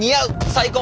最高！